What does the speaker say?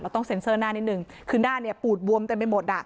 ต้องเซ็นเซอร์หน้านิดนึงคือหน้าเนี่ยปูดบวมเต็มไปหมดอ่ะ